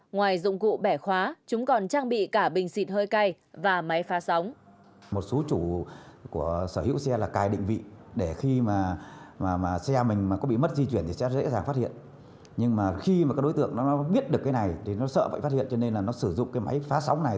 ngoài dụng cụ bẻ khóa chúng còn trang bị cả bình xịt hơi cay và máy phá sóng